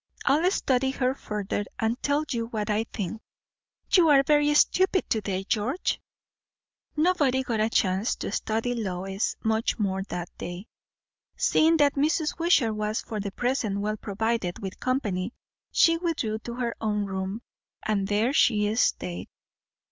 "I'll study her further, and then tell you what I think." "You are very stupid to day, George!" Nobody got a chance to study Lois much more that day. Seeing that Mrs. Wishart was for the present well provided with company, she withdrew to her own room; and there she stayed.